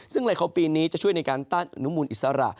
ซึ่งไลโคลปีนี้จะช่วยในการต้านอนุมูลอิสระ